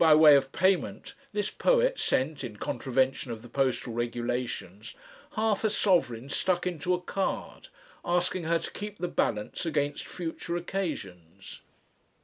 By way of payment, this poet sent, in contravention of the postal regulations, half a sovereign stuck into a card, asking her to keep the balance against future occasions.